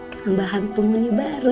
tambahan pembunuh baru